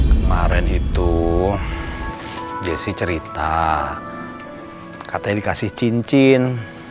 kemarin itu desi cerita katanya dikasih cincin